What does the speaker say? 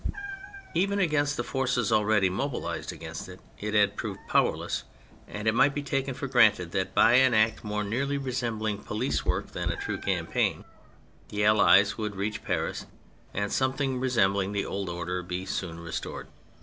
Even against the forces already mobilised against it, it had proved powerless, and it might be taken for granted that by an act more nearly resembling police work than a true campaign, the Allies would reach Paris and something resembling the old order be soon restored.